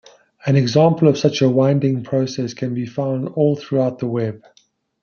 An example of such a winding process can be found all throughout the web.